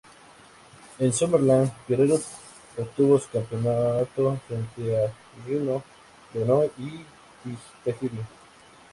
En "SummerSlam", Guerrero retuvo su campeonato frente a Rhyno, Benoit y Tajiri.